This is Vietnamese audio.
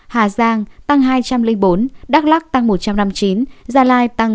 hà giang tăng hai trăm linh bốn đắk lắc tăng một trăm năm mươi chín gia lai tăng tám mươi năm